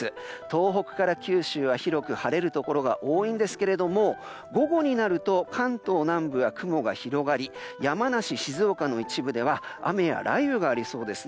東北から九州は広く晴れるところが多いんですけれども午後になると関東南部は雲が広がり山梨、静岡の一部では雨や雷雨がありそうです。